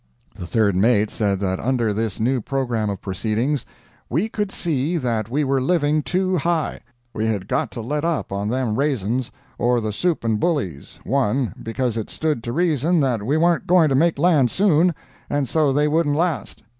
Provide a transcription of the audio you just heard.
The third mate said that under this new programme of proceedings "we could see that we were living too high; we had got to let up on them raisins, or the soup and bullies, one, because it stood to reason that we warn't going to make land soon, and so they wouldn't last."